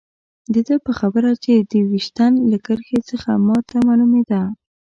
د ده په خبره چې د ویشتن له کرښې څخه ما ته معلومېده.